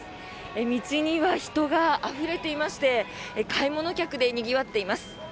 道には人があふれていまして買い物客でにぎわっています。